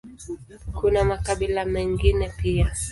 Kuna makabila mengine pia.